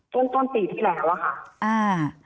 ต้นต้นปีที่แล้วอะค่ะอ่า